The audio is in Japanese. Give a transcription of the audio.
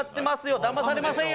だまされませんよ！